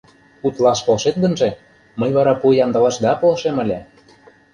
Утлаш полшет гынже, мый вара пу ямдылашда полшем ыле...